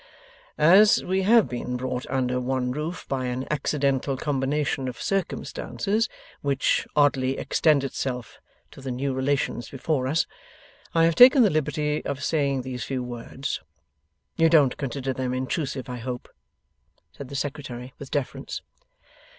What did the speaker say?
'As we have been brought under one roof by an accidental combination of circumstances, which oddly extends itself to the new relations before us, I have taken the liberty of saying these few words. You don't consider them intrusive I hope?' said the Secretary with deference.